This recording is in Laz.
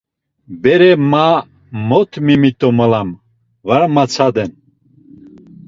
Bere ma mot memit̆omalam, va matsaden.